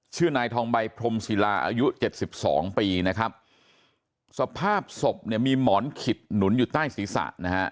ชื่อนายทองใบพรมศิลาอายุเจ็ดสิบสองปีนะครับสภาพศพเนี่ยมีหมอนขิดหนุนอยู่ใต้ศีรษะนะฮะ